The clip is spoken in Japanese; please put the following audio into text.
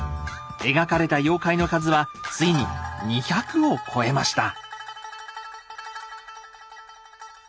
描かれた妖怪の数はついに２００を超えました。